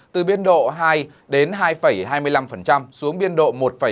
từ biên độ hai hai hai mươi năm xuống biên độ một bảy mươi năm hai